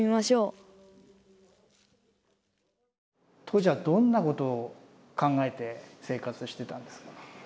当時はどんなことを考えて生活してたんですか？